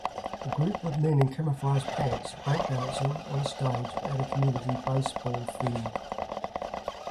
A group of men in camouflage pants, breakdancing on a stage at a community baseball field.